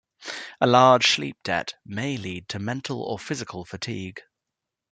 A large sleep debt may lead to mental or physical fatigue.